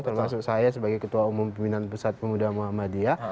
termasuk saya sebagai ketua umum pimpinan pusat pemuda muhammadiyah